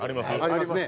ありますね。